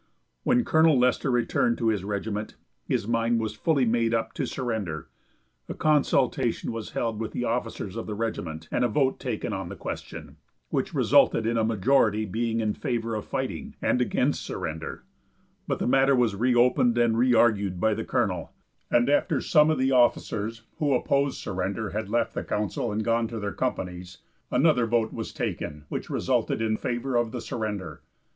When Colonel Lester returned to his regiment his mind was fully made up to surrender. A consultation was held with the officers of the regiment, and a vote taken on the question, which resulted in a majority being in favor of fighting and against surrender, but the matter was reopened and reargued by the colonel, and after some of the officers who opposed surrender had left the council and gone to their companies, another vote was taken, which resulted in favor of the surrender.